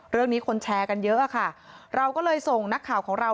เรื่องนี้คนแชร์กันเยอะเราก็เลยส่งนักข่าวของเรา